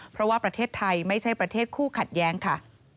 เพราะว่าประเทศไทยไม่ใช่ประเทศคู่ขัดแย้งค่ะ